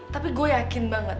tapi gue yakin banget